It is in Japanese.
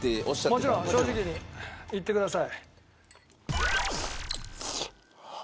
もちろん正直に言ってください。